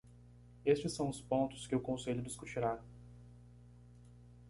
Estes são os pontos que o Conselho discutirá.